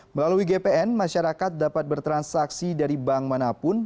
melalui gpn masyarakat dapat bertransaksi dari bank manapun